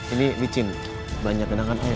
ini licin banyak benangannya soal